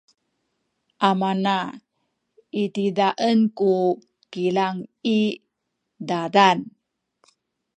amana itizaen ku kilang i zazan.